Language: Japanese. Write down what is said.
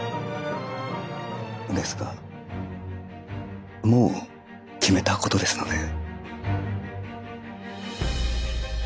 ですがもう決めたことですので。